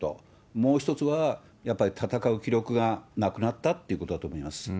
もう１つは、やっぱり戦う気力がなくなったということだと思います。